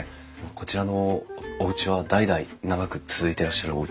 こちらのおうちは代々長く続いていらっしゃるおうちなんですか？